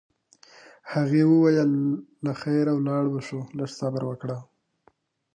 هغې وویل: له خیره ولاړ به شو، لږ صبر وکړه.